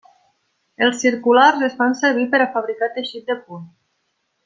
Els circulars es fan servir per a fabricar teixit de punt.